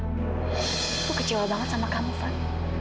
aku sangat kecewa dengan kamu tofan